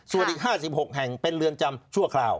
ส่วนอีก๕๖แห่งเป็นเรือนจำชั่วคราว